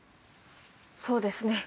そうですね。